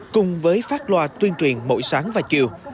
cùng với phát loa tuyên truyền mỗi sáng và chiều